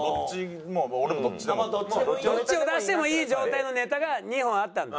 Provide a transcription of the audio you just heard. どっちを出してもいい状態のネタが２本あったんだ？